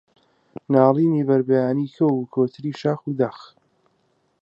ناڵینی بەربەیانی کەو و کۆتری شاخ و داخ